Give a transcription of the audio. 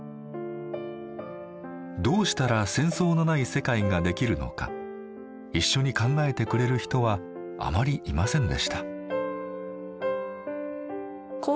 どうしたら戦争のない世界ができるのか一緒に考えてくれる人はあまりいませんでした。